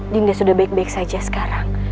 dinda sudah baik baik saja sekarang